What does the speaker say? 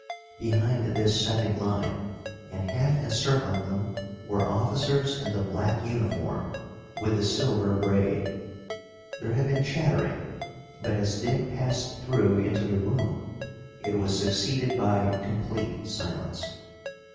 Behind this second line, and half encircling them, were officers in the black uniform with the silver braid. There had been chattering, but as Dick passed through into the room it was succeeded by complete silence.